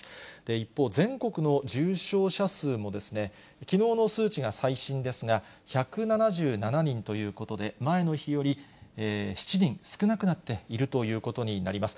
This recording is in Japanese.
一方、全国の重症者数も、きのうの数値が最新ですが、１７７人ということで、前の日より７人少なくなっているということになります。